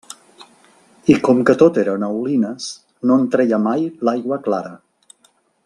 I com que tot eren aulines, no en treia mai l'aigua clara.